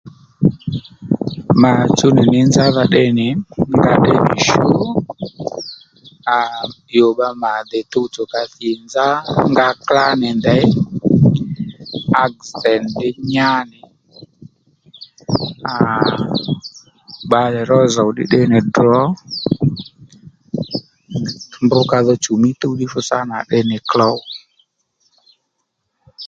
Mà chuw nì li nzádha tde nì fú nga ddí nì shú aa yò bba mà dé tuwtsò ka thì nzá nga klá nì ndèy aksident ddí nyánì aa bbalè ró zòw ddí tde nì ddrǒ mb ka dho chuw mí tuw ddí fú sâ nà à tdè nì klǒw